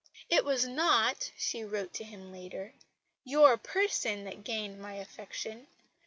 "It was not," she wrote to him later, "your person that gained my affection.